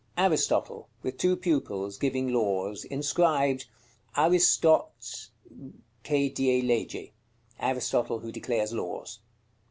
_ Aristotle, with two pupils, giving laws. Inscribed: "ARISTOT CHE DIE LEGE." Aristotle who declares laws.